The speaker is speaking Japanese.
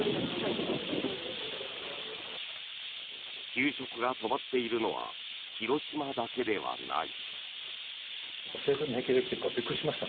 給食が止まっているのは広島だけではない。